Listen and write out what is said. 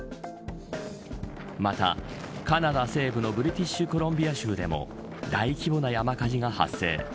また、カナダ西部のブリティッシュコロンビア州でも大規模な山火事が発生。